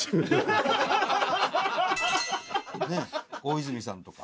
ねぇ大泉さんとか。